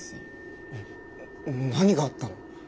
えっ何があったの？